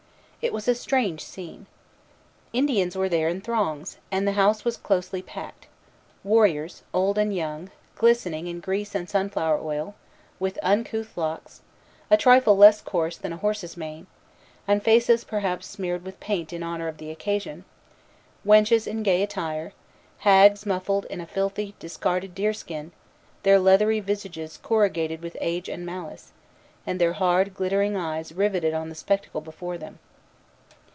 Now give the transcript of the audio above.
It was a strange scene. Indians were there in throngs, and the house was closely packed: warriors, old and young, glistening in grease and sunflower oil, with uncouth locks, a trifle less coarse than a horse's mane, and faces perhaps smeared with paint in honor of the occasion; wenches in gay attire; hags muffled in a filthy discarded deer skin, their leathery visages corrugated with age and malice, and their hard, glittering eyes riveted on the spectacle before them.